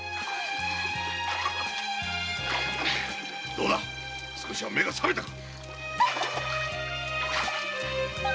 どうだ少しは目が覚めたか。